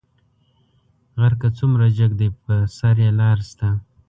غر کۀ څومره جګ دى، پۀ سر يې لار شته.